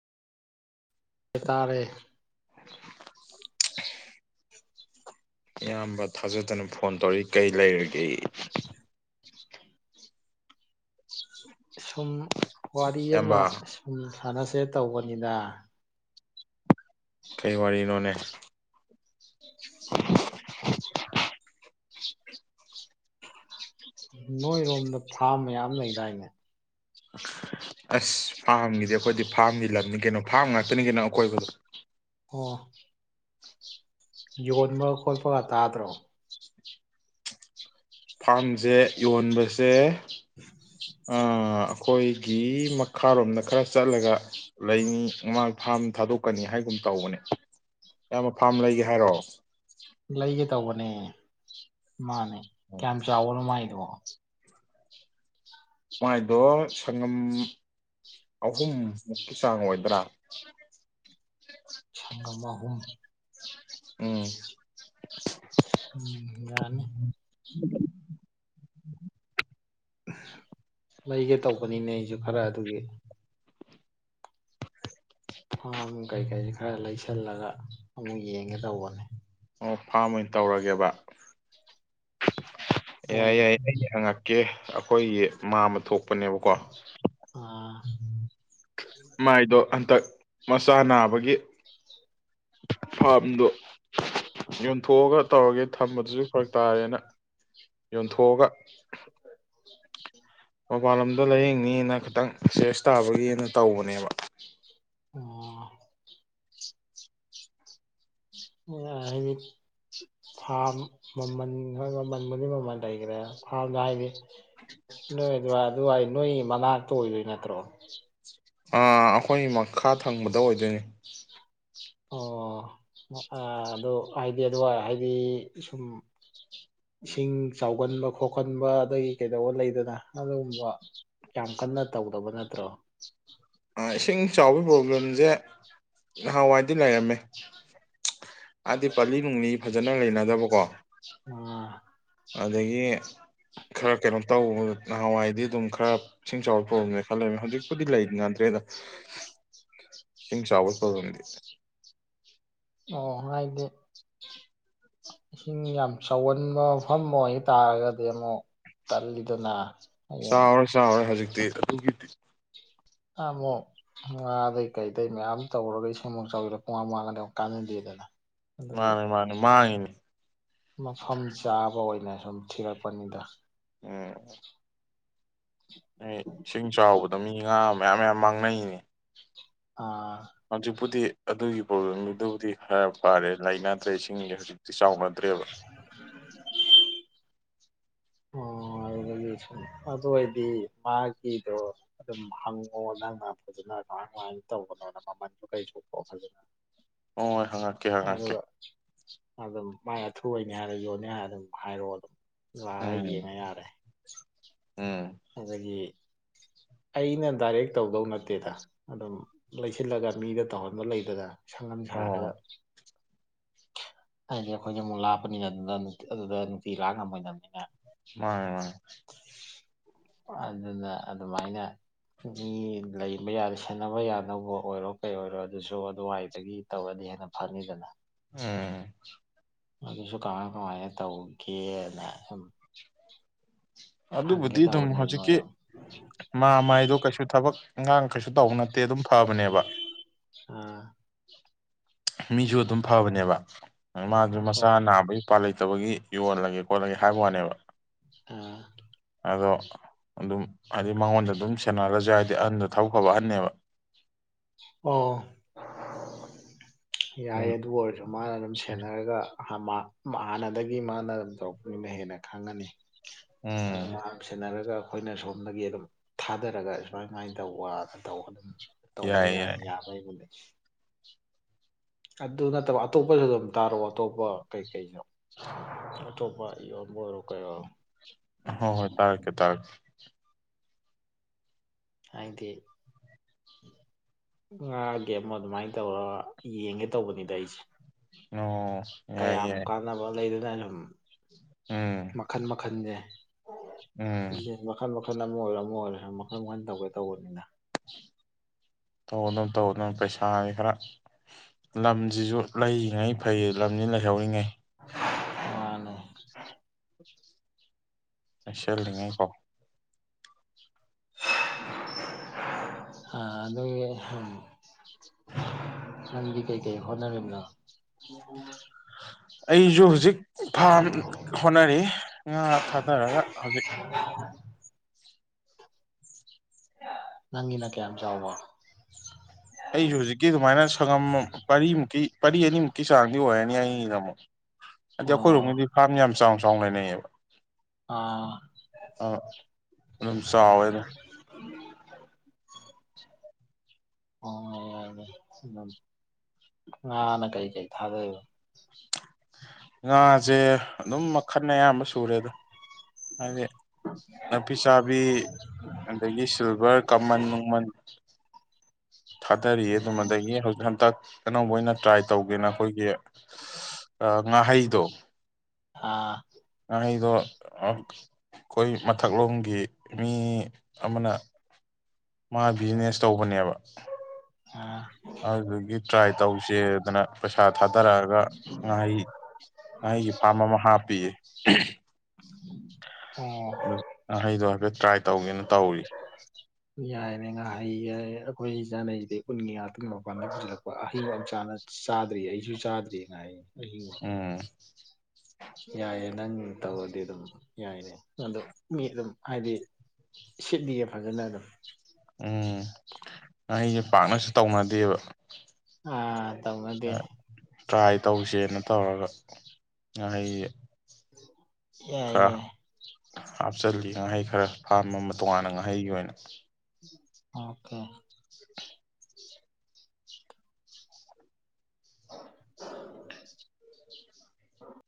ꯑꯦ ꯇꯥꯔꯦ [inaudible] ꯏꯌꯥꯝꯕ ꯊꯥꯖꯗꯅ ꯐꯣꯟ ꯇꯧꯔꯤ ꯀꯩ ꯂꯩꯔꯒꯦ ꯁꯨꯝ ꯋꯥꯔꯤ ꯑꯃ ꯏꯌꯥꯝꯕ ꯁꯨꯝ ꯁꯥꯟꯅꯁꯦ ꯇꯧꯕꯅꯤꯗ ꯀꯔꯤ ꯋꯥꯔꯤꯅꯣꯅꯦ [unintelligible] ꯅꯣꯏꯔꯣꯝꯗ ꯐꯥꯔꯝ ꯃꯌꯥꯝ ꯂꯩꯗꯥꯏꯅꯦ ꯑꯁ ꯐꯥꯝꯒꯤꯗꯤ ꯑꯩꯈꯣꯏꯗꯤ ꯐꯥꯔꯝꯒꯤ ꯂꯝꯅꯤ ꯀꯩꯅꯣ ꯐꯥꯝ ꯉꯥꯛꯇꯅꯤ ꯀꯩꯅꯣ ꯑꯀꯣꯏꯕꯗꯣ ꯑꯣ ꯌꯣꯟꯕ ꯈꯣꯠꯄꯒ ꯇꯥꯗ꯭ꯔꯣ ꯐꯥꯔꯝꯁꯦ ꯌꯣꯟꯕꯁꯦ [unintelligible] ꯑ ꯑꯩꯈꯣꯏꯒꯤ ꯃꯈꯥꯔꯣꯝꯗ ꯈꯔ ꯆꯠꯂꯒ ꯂꯩꯅꯤ ꯃꯥꯥꯡ ꯐꯥꯝ ꯊꯥꯗꯣꯛꯀꯅꯤ ꯍꯥꯏꯒꯨꯝ ꯇꯧꯕꯅꯦ ꯏꯌꯥꯝꯕ ꯐꯥꯝ ꯂꯩꯒꯦ ꯍꯥꯏꯔꯣ ꯂꯩꯒꯦ ꯇꯧꯕꯅꯦ ꯃꯥꯅꯦ ꯀꯌꯥꯝ ꯆꯥꯎꯕꯅꯣ ꯃꯥꯏꯗꯣ ꯃꯥꯏꯗꯣ ꯁꯪꯒꯝ ꯑꯍꯨꯝ ꯃꯨꯛꯀꯤ ꯆꯥꯡ ꯑꯣꯏꯗ꯭ꯔꯥ ꯁꯪꯒꯝ ꯑꯍꯨꯝ ꯎꯝ ꯎꯝ ꯌꯥꯅꯤ ꯂꯩꯒꯦ ꯇꯧꯕꯅꯤꯅꯦ ꯑꯩꯁꯨ ꯈꯔ ꯑꯗꯨꯒꯤ ꯐꯥꯝ ꯀꯩꯀꯩ ꯈꯔ ꯂꯩꯁꯜꯂꯒ ꯑꯃꯨꯛ ꯌꯦꯡꯒꯦ ꯇꯧꯕꯅꯤ ꯑꯣ ꯐꯥꯔꯝ ꯑꯣꯏꯅ ꯇꯧꯔꯒꯦꯕ ꯌꯥꯏ ꯍꯣꯏ ꯌꯥꯏ ꯑꯩꯗꯤ ꯍꯪꯉꯛꯀꯦ ꯑꯩꯈꯣꯏꯒꯤ ꯃꯥꯃꯥ ꯊꯣꯛꯄꯅꯦꯕꯀꯣ ꯑꯥ ꯃꯥꯏꯗꯣ ꯍꯟꯇꯛ ꯃꯆꯥ ꯅꯥꯕꯒꯤ ꯐꯥꯝꯗꯣ ꯌꯣꯟꯊꯣꯛꯑꯒ ꯇꯧꯔꯒꯦ ꯊꯝꯕꯗꯨꯁꯨ ꯐꯔꯛ ꯇꯥꯔꯦꯅ ꯌꯣꯟꯊꯣꯛꯑꯒ [unintelligible] ꯃꯄꯥꯟ ꯂꯝꯗ ꯂꯥꯏꯌꯦꯡꯅꯤꯅ ꯈꯤꯇꯪ ꯁꯦꯔꯁ ꯇꯥꯕꯒꯤꯅ ꯇꯧꯕꯅꯦꯕ ꯑꯣ ꯑ ꯍꯥꯏ ꯃꯤ [inaudible] ꯐꯥꯔꯝ ꯃꯃꯜ ꯈꯔ ꯃꯃꯜꯕꯨꯗꯤ ꯃꯃꯜ ꯂꯩꯈ꯭ꯔꯦ ꯐꯥꯔꯝꯗꯣ ꯍꯥꯏꯗꯤ ꯅꯣꯏ ꯑꯗꯨꯋꯥꯏ ꯑꯗꯨꯋꯥꯏ ꯅꯣꯏ ꯃꯅꯥꯛꯇ ꯑꯣꯏꯗꯣꯏ ꯅꯠꯇ꯭ꯔꯣ ꯑꯥ ꯑꯈꯣꯏꯒꯤ ꯃꯈꯥ ꯊꯪꯕꯗ ꯑꯣꯏꯗꯣꯏꯅꯤ ꯑꯣ ꯑꯗꯨ ꯍꯥꯏꯗꯤ ꯑꯗꯨꯋꯥꯏ ꯍꯥꯏꯗꯤ ꯁꯨꯝ ꯏꯁꯤꯡ ꯆꯥꯎꯒꯟꯕ ꯈꯣꯀꯟꯕ ꯑꯗꯒꯤ ꯀꯩꯗꯧꯕ ꯂꯩꯗꯅ ꯑꯗꯨꯒꯨꯝꯕ ꯌꯥꯝ ꯀꯟꯅ ꯇꯧꯗꯕ ꯅꯠꯇ꯭ꯔꯣ ꯏꯁꯤꯡ ꯆꯥꯎꯕꯒꯤ ꯄ꯭ꯔꯣꯕ꯭ꯂꯦꯝꯁꯦ ꯅꯍꯥꯟꯋꯥꯏꯗꯤ ꯂꯩꯔꯝꯃꯦ ꯑꯗꯤ ꯄꯥꯂꯤ ꯅꯨꯡꯂꯤ ꯐꯖꯅ ꯂꯩꯅꯗꯕꯀꯣ ꯑꯥ ꯑꯗꯒꯤ ꯈꯔ ꯀꯩꯅꯣ ꯇꯧꯕ ꯅꯍꯥꯟꯋꯥꯏꯗꯤ ꯑꯗꯨꯝ ꯈꯔ ꯏꯁꯤꯡ ꯆꯥꯎꯕ ꯐꯕꯅꯦ ꯂꯩꯔꯝꯃꯦ ꯍꯧꯖꯤꯛꯄꯨꯗꯤ ꯂꯩ ꯅꯗ꯭ꯔꯦꯗ ꯏꯁꯤꯡ ꯆꯥꯎꯕꯒꯤ ꯄꯔꯣꯕꯦꯝꯗꯤ ꯑꯣ ꯍꯥꯏꯗꯤ ꯏꯁꯤꯡ ꯌꯥꯝ ꯆꯥꯎꯒꯟꯕ ꯃꯐꯝ ꯑꯣꯏꯇꯥꯔꯒꯗꯤ ꯑꯃꯨꯛ ꯇꯜꯂꯤꯗꯅ ꯍꯌꯦꯡ ꯆꯥꯎꯔꯣꯢ ꯆꯥꯎꯔꯣꯢ ꯍꯧꯖꯤꯛꯇꯤ ꯑꯗꯨꯒꯤꯗꯤ ꯑꯃꯣ꯫ [inaudible] ꯉꯥ ꯗꯩ ꯀꯩꯗꯩ ꯃꯌꯥꯝ ꯇꯧꯔꯒ ꯏꯁꯤꯡꯑꯃꯨꯛ ꯆꯥꯎꯖꯤꯜꯂꯛ ꯄꯨꯃꯥꯡ ꯃꯥꯡꯉꯥꯗꯤ ꯑꯃꯨꯛ ꯀꯥꯟꯅꯗꯦꯗꯅ꯫ ꯑꯗꯨꯒꯤ ꯃꯥꯅꯦ ꯃꯥꯅꯦ ꯃꯥꯡꯉꯤꯝꯅꯦ ꯃꯐꯝ ꯆꯥꯕ ꯑꯣꯏꯅ ꯁꯨꯝ ꯊꯤꯔꯛꯄꯅꯤꯗ꯫ ꯎꯝ꯫ ꯍꯣꯏ ꯏꯁꯤꯡ ꯆꯥꯎꯕꯗ ꯃꯤ ꯉꯥ ꯃꯌꯥꯝ ꯃꯌꯥꯝ ꯃꯥꯡꯅꯩꯅꯦ꯫ ꯑꯥ꯫ ꯍꯧꯖꯤꯛꯄꯨꯗꯤ ꯑꯗꯨꯒꯤ ꯄ꯭ꯔꯣꯕ꯭ꯂꯦꯝꯗꯨꯕꯨꯗꯤ ꯈꯔꯥ ꯐꯔꯦ ꯂꯩꯅꯗꯔꯦ ꯏꯁꯤꯡꯗꯤ꯫ ꯁꯤ ꯆꯥꯎꯅꯗ꯭ꯔꯦꯕ꯫ ꯑꯣ꯫ ꯑꯗꯨꯗꯒꯤ ꯑꯗꯣ ꯑꯣꯏꯗꯤ ꯃꯥꯒꯤꯗꯣ꯫ ꯑꯗꯨꯝ ꯍꯪꯉꯣ ꯅꯪꯅ ꯐꯖꯅ ꯀꯃꯥꯏ ꯀꯃꯥꯏꯅ ꯇꯧꯕꯅꯣꯅ ꯃꯃꯟꯁꯨ ꯀꯩꯁꯨ꯫ ꯍꯣꯏ ꯍꯪꯉꯛꯀꯦ [unintelligible] ꯍꯪꯉꯛꯀꯦ ꯑꯗꯨꯒ ꯑꯗꯨꯝ꯫ ꯃꯥꯏ ꯑꯊꯨꯕꯩꯅꯤ ꯍꯥꯏꯔ ꯌꯣꯟꯅꯤ ꯍꯥꯏꯔ ꯑꯗꯨꯝ ꯍꯥꯏꯔꯛꯑꯣꯕ꯫ ꯎꯝ ꯎꯝ꯫ ꯍꯥꯏꯕꯗꯤ ꯑꯩꯅ ꯗꯥꯔꯦꯛ ꯇꯧꯗꯧ ꯅꯠꯇꯦꯗ ꯑꯗꯨꯝ꯫ ꯂꯩꯁꯤꯜꯂꯒ ꯃꯤꯗ ꯇꯧꯍꯟꯕ ꯂꯩꯗꯅ ꯁꯪ ꯑꯃ ꯍꯣꯏ ꯁꯥꯔꯒ꯫ ꯍꯣꯏ ꯍꯥꯏꯗꯤ ꯑꯩꯈꯣꯏꯗꯤ ꯑꯃꯨꯛ ꯂꯥꯞꯄꯅꯤꯅ ꯑꯗꯨꯅ ꯑꯗꯨꯗ ꯅꯨꯡꯇꯤ ꯂꯥꯛ ꯉꯝꯃꯣꯏꯗꯝꯅꯤꯅ꯫ ꯃꯥꯅꯦ ꯃꯥꯅꯦ꯫ ꯑꯗꯨꯅ ꯑꯗꯨꯃꯥꯏꯅ ꯃꯤ ꯂꯩ꯫ ꯊꯕ ꯌꯥꯔꯦ ꯁꯦꯟꯅꯕ ꯌꯥꯅꯗꯧꯕ ꯑꯣꯏꯔꯣ ꯀꯩ ꯑꯣꯏꯔꯣ ꯑꯗꯨꯁꯨ ꯑꯗꯨꯋꯥꯏꯗꯒꯤ ꯇꯧꯔꯗꯤ ꯍꯦꯟꯅ ꯐꯅꯤꯗꯅ꯫ ꯎꯝ꯫ ꯑꯗꯨꯁꯨ ꯀꯃꯥꯏ ꯀꯃꯥꯏꯅ ꯇꯧꯒꯦꯅ ꯁꯨꯝ꯫ ꯍꯪꯒꯦ ꯑꯗꯨꯕꯨꯗꯤ ꯑꯗꯨꯝ ꯇꯧꯕꯅꯤꯗ ꯅꯣꯏ ꯍꯧꯖꯤꯛꯀꯤ꯫ ꯃꯥꯝꯃ ꯍꯥꯏꯗꯣ ꯀꯩꯁꯨ ꯊꯕꯛ ꯏꯪꯈꯥꯡ ꯇꯧꯕ ꯅꯠꯇꯦ ꯑꯗꯨꯝ ꯐꯕꯅꯦꯕ꯫ ꯑ꯫ ꯃꯤꯁꯨ ꯑꯗꯨꯝ ꯐꯕꯅꯦꯕ ꯃꯥꯗꯨ ꯃꯆꯥ ꯍꯣꯏ ꯅꯥꯕꯒꯤ꯫ ꯎꯄꯥꯏ ꯂꯩꯇꯕꯒꯤ ꯌꯣꯜꯂꯒꯦ ꯈꯣꯠꯂꯒꯦ ꯍꯥꯏꯕꯩ ꯋꯥꯅꯦꯕ꯫ ꯑꯥ꯫ ꯑꯗꯣ ꯑꯗꯨꯝ ꯍꯥꯏꯗꯤ ꯃꯉꯣꯟꯗ ꯑꯗꯨꯝ ꯁꯦꯟꯅꯍꯥꯜꯂꯁꯨ ꯌꯥꯏ ꯍꯥꯏꯗꯤ ꯑꯍꯟꯗꯣ ꯊꯕꯛ ꯐꯕ ꯑꯍꯟꯅꯦꯕ꯫ ꯑꯣ ꯑꯗꯨꯝ ꯌꯥꯏꯌꯦ ꯑꯗꯨ ꯑꯣꯏꯔꯁꯨ ꯃꯥꯅ ꯑꯗꯨꯝ ꯁꯦꯟꯅꯔꯒ꯫ ꯍꯥꯟꯅꯗꯒꯤ ꯃꯥꯅ ꯑꯗꯨꯝ ꯇꯧꯔꯛꯄꯅꯤꯅ ꯍꯦꯟꯅ ꯈꯪꯉꯅꯤ ꯑꯗꯨ ꯎꯝ ꯃꯥ꯫ ꯁꯦꯟꯅꯔꯒ ꯑꯩꯈꯣꯏꯅ ꯁꯣꯝꯗꯒꯤ ꯑꯗꯨꯝ ꯊꯥꯗꯔꯒ ꯁꯨꯃꯥꯏ ꯁꯃꯥꯏꯅ ꯇꯧꯕ ꯇꯧꯕ ꯑꯗꯨꯝ꯫ ꯍꯣꯏꯌꯦ ꯌꯥꯏ ꯌꯥꯏꯌꯦ ꯌꯥꯏ ꯌꯥꯕꯩꯕꯨꯗꯤ꯫ ꯑꯗꯨ ꯅꯠꯇꯕ ꯑꯇꯣꯞꯄꯁꯨ ꯑꯗꯨꯝ ꯇꯥꯔꯛꯑꯣ ꯑꯇꯣꯞꯄ ꯀꯩꯀꯩꯅꯣ꯫ ꯑꯇꯣꯄ ꯏ ꯌꯣꯟꯕ ꯑꯣꯏꯔꯣ ꯀꯩꯑꯣꯏꯔꯣ꯫ ꯑꯣꯍꯣꯏ ꯍꯣꯏ ꯇꯥꯛꯔꯛꯀꯦ ꯇꯥꯛꯔꯛꯀꯦ꯫ ꯍꯥꯏꯗꯤ꯫ ꯉꯥꯒꯤ ꯑꯃꯨꯛ ꯑꯗꯨꯃꯥꯏꯅ ꯇꯧꯔ ꯌꯦꯡꯒꯦ ꯇꯧꯕꯅꯤꯗ ꯑꯩꯁꯦ꯫ ꯑꯣ ꯌꯥꯏꯌꯦ ꯌꯥꯏꯌꯦ꯫ ꯑꯅꯕ ꯂꯩꯗꯅꯁꯨꯝ꯫ ꯎꯝ꯫ ꯃꯈꯟ ꯃꯈꯟꯁꯦ꯫ ꯎꯝ꯫ ꯃꯈꯜ ꯃꯈꯜ ꯑꯃ ꯑꯣꯏꯔꯣ ꯑꯃ ꯑꯣꯏꯔꯣ ꯃꯈꯜ ꯃꯈꯟ ꯇꯧꯒꯦ ꯇꯧꯕꯅꯤꯅ꯫ ꯇꯧ ꯑꯗꯨꯝ ꯇꯧ ꯑꯗꯨꯝ ꯄꯩꯁꯥ ꯍꯥꯢꯁꯤ ꯈꯔ꯫ ꯂꯝꯁꯤꯁꯨ ꯂꯩꯔꯤꯉꯩ ꯐꯩ ꯂꯝꯁꯤ ꯂꯩꯍꯧꯔꯤꯉꯩ꯫ ꯃꯥꯅꯦ꯫ ꯂꯩꯁꯤꯜꯂꯤꯉꯩꯀꯣ꯫ [inaudible] [inaudible] ꯑ ꯑꯗꯨ [inaudible] ꯅꯗꯤ ꯀꯩꯀꯩ ꯍꯣꯠꯅꯔꯔꯤꯝꯅ ꯑꯩꯁꯨ ꯍꯧꯖꯤꯛ ꯐꯥꯝ ꯍꯣꯠꯅꯔꯤ ꯉꯥ ꯊꯥꯗꯔꯒ ꯍꯧꯖꯤꯛ ꯅꯪꯒꯤꯅ ꯀꯌꯥꯝ ꯆꯥꯎꯕ ꯑꯩꯁꯨ ꯍꯧꯖꯤꯛꯀꯤ ꯑꯗꯨꯃꯥꯏꯅ ꯁꯪꯒꯝ ꯄꯔꯤꯃꯨꯛꯀꯤ ꯄꯔꯤ ꯑꯅꯤꯃꯨꯛꯀꯤ ꯆꯥꯡꯗꯤ ꯑꯣꯏꯔꯅꯤ ꯑꯩꯗ ꯑꯃꯨꯛ ꯍꯥꯏꯗꯤ ꯑꯣ ꯑꯩꯈꯣꯏꯔꯣꯝꯒꯤꯗꯤ ꯐꯥꯔꯝ ꯌꯥꯝ ꯆꯥꯎꯅ ꯆꯥꯎꯅ ꯂꯩꯅꯩꯌꯦꯕ ꯑꯥ ꯑꯥ ꯑꯗꯨꯝ ꯆꯥꯎꯋꯦ ꯑꯗꯨꯝ [unintelligible] ꯑꯣ ꯉꯥꯅ ꯀꯔꯤ ꯀꯔꯤ ꯊꯥꯗꯩꯕ ꯉꯥꯁꯦ ꯑꯗꯨꯝ ꯃꯈꯜ ꯑꯌꯥꯝꯕ ꯆꯨꯔꯦꯗ ꯍꯥꯏꯗꯤ ꯅꯥꯄꯤ ꯆꯥꯕꯤ ꯑꯗꯒꯤ ꯁꯤꯜꯚꯔ ꯀꯃꯟ ꯅꯨꯡꯃꯟ ꯊꯥꯗꯔꯤꯌꯦ ꯑꯗꯨꯃꯗꯒꯤ ꯍꯧꯖꯤꯛ ꯍꯟꯗꯛ ꯑꯅꯧꯕ ꯑꯣꯏꯅ ꯇ꯭ꯔꯥꯏ ꯇꯧꯒꯦꯅ ꯑꯩꯈꯣꯏꯒꯤ ꯑ ꯉꯍꯩꯗꯣ ꯑꯥ ꯑꯩꯗꯣ ꯑꯩꯈꯣꯏ ꯃꯊꯛꯂꯣꯝꯒꯤ ꯃꯤ ꯑꯃꯅ ꯃꯥ ꯕꯤꯖꯤꯅꯦꯁ ꯇꯧꯕꯅꯦꯕ ꯑꯥ ꯑꯗꯨꯗꯒꯤ ꯇ꯭ꯔꯥꯏ ꯇꯧꯁꯦꯗꯅ ꯄꯩꯁꯥ ꯊꯥꯗꯔꯛꯑꯒ ꯉꯍꯩ ꯉꯒꯤ ꯄꯥꯃ ꯑꯃ ꯍꯥ ꯄꯤꯌꯦ [unintelligible] ꯑꯍꯩꯗꯣ ꯍꯥꯏꯐꯦꯠ ꯇ꯭ꯔꯥꯏ ꯇꯧꯒꯦꯅ ꯇꯧꯔꯤ ꯌꯥꯏꯅꯦ ꯉꯥꯏꯍꯩ ꯌꯥ ꯑꯩꯈꯣꯏ ꯏ ꯆꯥꯅꯩꯁ ꯀꯟꯒꯤ ꯉꯥꯛꯇꯪ ꯃꯄꯥꯟꯗ ꯄꯨꯁꯤꯜꯂꯛꯄ ꯐꯤꯒ ꯆꯥꯅ ꯆꯥꯗ꯭ꯔꯤ ꯑꯩꯁꯨ ꯆꯥꯗ꯭ꯔꯤꯉꯍꯩ ꯎꯝ ꯌꯥꯏꯌꯦ ꯅꯪ ꯇꯧꯔꯗꯤ ꯑꯗꯨꯝ ꯌꯥꯏꯅꯦ ꯑꯗꯣ ꯃꯤ ꯑꯗꯨꯝ ꯍꯥꯏꯗꯤ ꯁꯤꯠꯅꯤ ꯌꯦ ꯐꯖꯅ ꯑꯗꯨꯝ ꯎꯝ ꯉꯍꯩꯁꯦ ꯄꯥꯛꯅꯁꯨ ꯇꯧꯅꯗꯦꯕ ꯑꯥ ꯇꯧꯅꯗꯦ ꯇ꯭ꯔꯥꯏ ꯇꯧꯁꯦꯅ ꯇꯧꯔꯒ ꯉꯍꯩ [inaudible] ꯈꯔ ꯌꯥꯏ ꯍꯥꯞꯆꯜꯂꯤ ꯉꯍꯩ ꯈꯔ ꯐꯥꯝ ꯑꯃ ꯇꯣꯉꯥꯟꯅ ꯉꯥꯍꯩꯒꯤ ꯑꯣꯏꯅ ꯑꯣꯀꯦ [unintelligible]